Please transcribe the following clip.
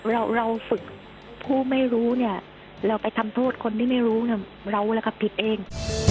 เราฝึกผู้ไม่รู้เนี่ยเราไปทำโทษคนที่ไม่รู้เราผิดเอง